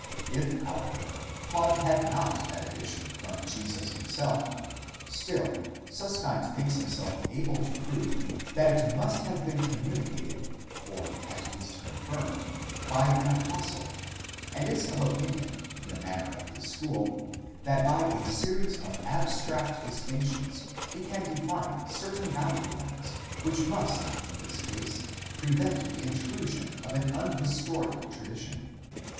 If, however, Paul had not that addition from Jesus himself, still Siiskind thinks himself able to prove that it must have been communicated, or at least confirmed, by an apostle, and is of opinion, in the manner of his school, that by a series of abstract distinctions, he can define certain boundary lines which must in this case prevent the intrusion of an unhistorical tradition.